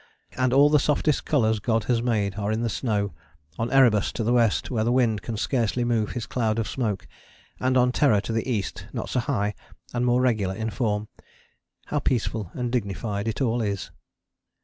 And all the softest colours God has made are in the snow; on Erebus to the west, where the wind can scarcely move his cloud of smoke; and on Terror to the east, not so high, and more regular in form. How peaceful and dignified it all is.